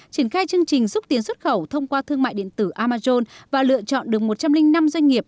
triển khai chương trình xúc tiến xuất khẩu thông qua thương mại điện tử amazon và lựa chọn được một trăm linh năm doanh nghiệp